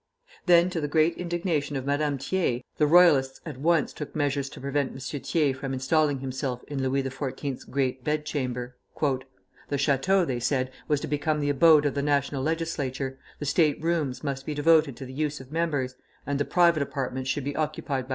Then, to the great indignation of Madame Thiers, the Royalists at once took measures to prevent M. Thiers from installing himself in Louis XIV.'s great bedchamber. "The Château," they said, "was to become the abode of the National Legislature, the state rooms must be devoted to the use of members, and the private apartments should be occupied by M.